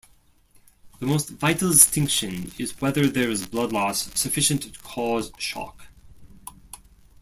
The most vital distinction is whether there is blood loss sufficient to cause shock.